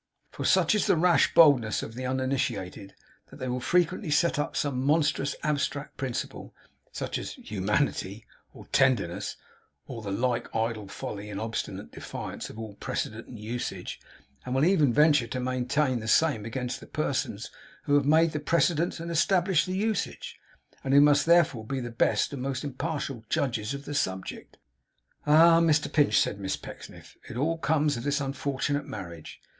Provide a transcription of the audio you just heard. For such is the rash boldness of the uninitiated, that they will frequently set up some monstrous abstract principle, such as humanity, or tenderness, or the like idle folly, in obstinate defiance of all precedent and usage; and will even venture to maintain the same against the persons who have made the precedents and established the usage, and who must therefore be the best and most impartial judges of the subject. 'Ah, Mr Pinch!' said Miss Pecksniff. 'It all comes of this unfortunate marriage.